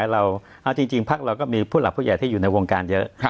เอาจริงพักเราก็มีผู้หลักผู้ใหญ่ที่อยู่ในวงการเยอะ